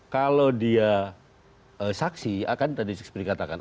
kalau dia saksi tadi seperti dikatakan